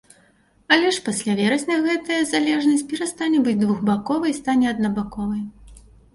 Але ж пасля верасня гэтая залежнасць перастане быць двухбаковай і стане аднабаковай.